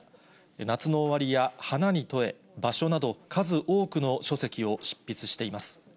夏の終わりや花に問え、場所など、数多くの書籍を執筆しています。